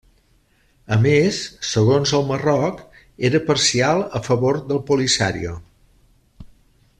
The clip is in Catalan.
A més, segons el Marroc, era parcial a favor del Polisario.